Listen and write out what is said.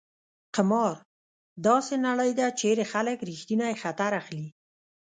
قمار: داسې نړۍ ده چېرې خلک ریښتینی خطر اخلي.